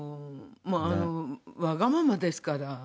もうわがままですから。